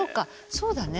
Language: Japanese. そうだね。